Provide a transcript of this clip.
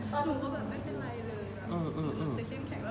หมูก็แบบไม่ใช่อะไรเลยจะเกมแข็ง